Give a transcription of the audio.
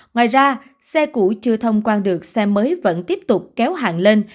ngoài ra xe cũ chưa thông quan được xe mới vẫn tiếp tục kéo hàng lên